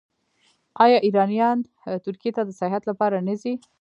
آیا ایرانیان ترکیې ته د سیاحت لپاره نه ځي؟